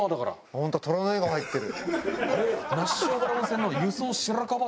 本当だ虎の絵が入ってる。